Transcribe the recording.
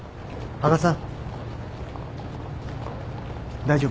羽賀さん！